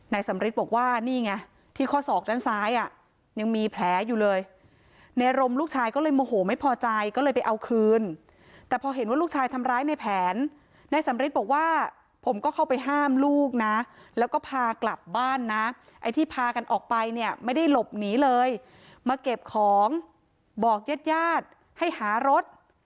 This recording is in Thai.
สำริทบอกว่านี่ไงที่ข้อศอกด้านซ้ายอ่ะยังมีแผลอยู่เลยในรมลูกชายก็เลยโมโหไม่พอใจก็เลยไปเอาคืนแต่พอเห็นว่าลูกชายทำร้ายในแผนนายสำริทบอกว่าผมก็เข้าไปห้ามลูกนะแล้วก็พากลับบ้านนะไอ้ที่พากันออกไปเนี่ยไม่ได้หลบหนีเลยมาเก็บของบอกญาติญาติให้หารถ